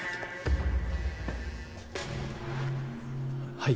はい。